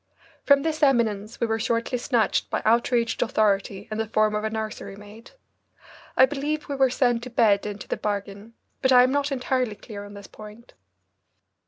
From this eminence we were shortly snatched by outraged authority in the form of a nursery maid. I believe we were sent to bed into the bargain, but I am not entirely clear on this point.